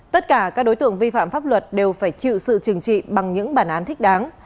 tất cả các đối tượng vi phạm pháp luật đều phải chịu sự trừng trị bằng những bản án thích đáng